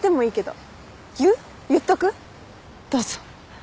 どうぞ。